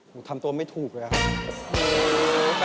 ผมทำตัวไม่ถูกเลยครับ